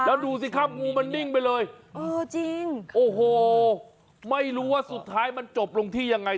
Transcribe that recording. แล้วดูสิครับงูมันนิ่งไปเลยเออจริงโอ้โหไม่รู้ว่าสุดท้ายมันจบลงที่ยังไง